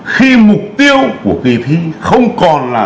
khi mục tiêu của kỳ thi không còn là